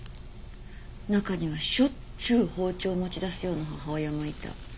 中にはしょっちゅう包丁を持ち出すような母親もいた。